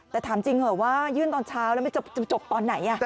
แต่ถามจริงเถอะว่ายื่นตอนเช้าแล้วจะจบตอนไหน